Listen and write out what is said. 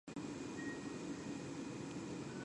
It runs through the counties of Linn, Benton, and Black Hawk.